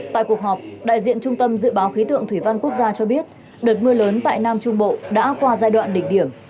tại cuộc họp đại diện trung tâm dự báo khí tượng thủy văn quốc gia cho biết đợt mưa lớn tại nam trung bộ đã qua giai đoạn đỉnh điểm